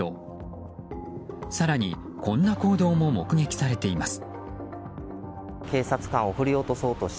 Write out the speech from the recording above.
更にこんな行動も目撃されています。